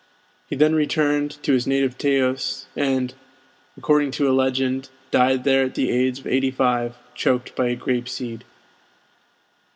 He then returned to his native Teos, and according to a legend, died there at the age of eighty five, choked by a grape seed.